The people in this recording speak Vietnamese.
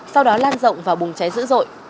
sau đó lan rộng vào bùng cháy dữ dội